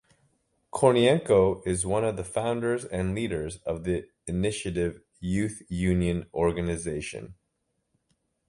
Kornienko is one of the founders and leaders of the Initiative Youth Union organization.